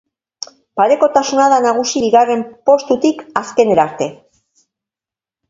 Parekotasuna da nagusi bigarren postutik azkenera arte.